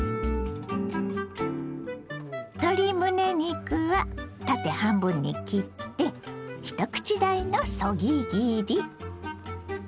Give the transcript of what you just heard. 鶏むね肉は縦半分に切って一口大のそぎ切り。